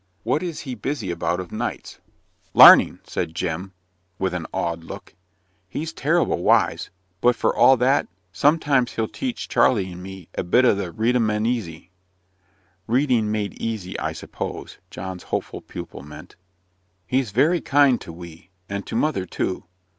"What is he busy about of nights?" "Larning," said Jem, with an awed look. "He's terrible wise. But for all that, sometimes he'll teach Charley and me a bit o' the Readamadeasy." (Reading made easy, I suppose, John's hopeful pupil meant.) "He's very kind to we, and to mother too.